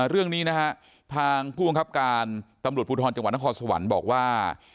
เรื่องนี้นะฮะทางผู้บังคับการตำรวจภูทรจังหวัดนครสวรรค์บอกว่า